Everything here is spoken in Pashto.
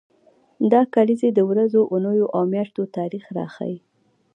دا کلیزې د ورځو، اونیو او میاشتو تاریخ راښيي.